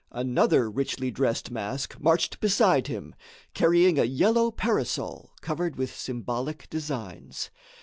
Another richly dressed mask marched beside him, carrying a yellow parasol covered with symbolic designs.